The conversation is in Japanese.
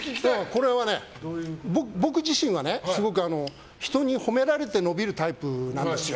僕自身はすごく人に褒められて伸びるタイプなんですよ。